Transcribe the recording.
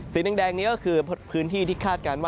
สีแดงนี้ก็คือพื้นที่ที่คาดการณ์ว่า